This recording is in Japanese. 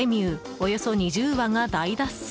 およそ２０羽が大脱走。